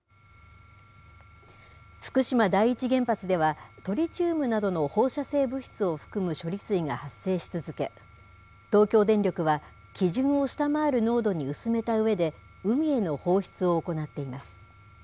福島第一原発では、トリチウムなどの放射性物質を含む処理水が発生し続け、東京電力は基準を下回る濃度に薄めたうえで、海への放出を行っています。